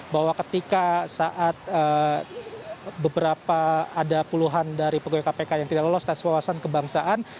bahwa ketika saat beberapa ada puluhan dari pegawai kpk yang tidak lolos tes wawasan kebangsaan